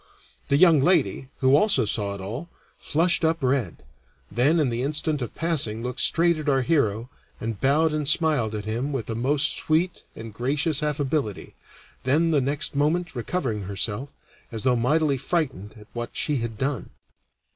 The young lady, who also saw it all, flushed up red, then in the instant of passing looked straight at our hero, and bowed and smiled at him with a most sweet and gracious affability, then the next moment recovering herself, as though mightily frightened at what she had done.